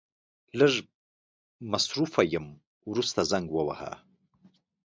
لږ مصرف يم ورسته زنګ وواهه.